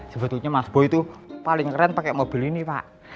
sebetulnya mas bo itu paling keren pakai mobil ini pak